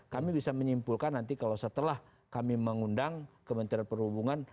kami bisa menyimpulkan nanti kalau setelah kami mengundang kementerian perhubungan